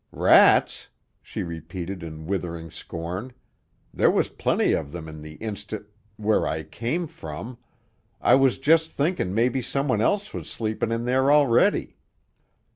"Rats!" she repeated in withering scorn. "There was plenty of them in the insti where I come from. I was just thinkin' maybe somebody else was sleepin' there already."